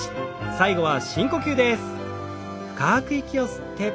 最後は深呼吸です。